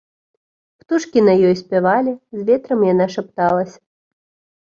Птушкі на ёй спявалі, з ветрам яна шапталася.